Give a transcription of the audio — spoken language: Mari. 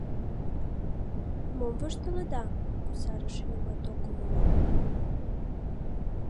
— Мом воштылыда? — кусарыше нимат ок умыло.